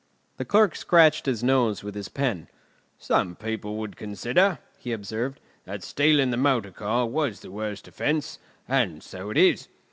The Clerk scratched his nose with his pen. "Some people would consider," he observed, "that stealing the motor car was the worst offence; and so it is.